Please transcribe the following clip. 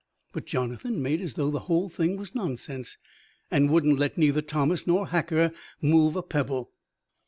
But Jonathan made as though the whole thing was nonsense, and wouldn't let neither Thomas nor Hacker move a pebble.